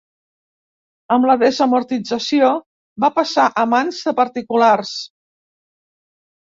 Amb la desamortització va passar a mans de particulars.